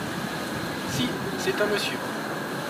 Si c’est un monsieur…